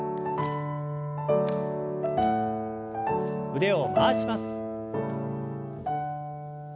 腕を回します。